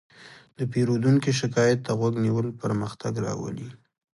د پیرودونکي شکایت ته غوږ نیول پرمختګ راولي.